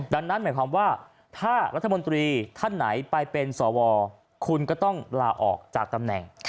ดังนั้นหมายความว่าถ้ารัฐมนตรีท่านไหนไปเป็นสวคุณก็ต้องลาออกจากตำแหน่ง